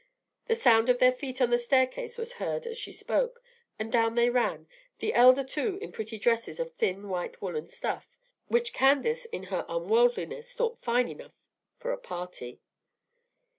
The sound of their feet on the staircase was heard as she spoke; and down they ran, the elder two in pretty dresses of thin white woollen stuff, which Candace in her unworldliness thought fine enough for a party.